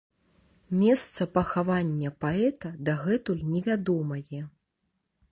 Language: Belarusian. Месца пахавання паэта дагэтуль невядомае.